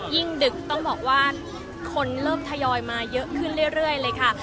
ดึกต้องบอกว่าคนเริ่มทยอยมาเยอะขึ้นเรื่อยเลยค่ะ